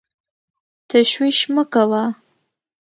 تشویش مه کوه !